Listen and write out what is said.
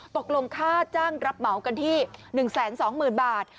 ตกลงค่าจ้างรับเหมากันที่๑๒๐๐๐บาท